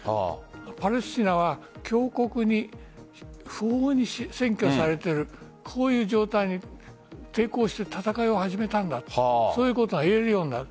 パレスチナは強国に不法に占拠されている状態に抵抗して戦いを始めたんだとそういうことがいえるようになる。